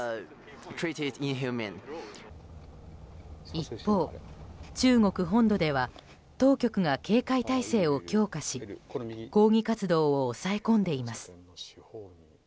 一方、中国本土では当局が警戒態勢を強化し抗議活動を抑え込んでいます。